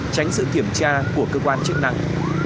tránh sự kiểm tra của cơ quan chức năng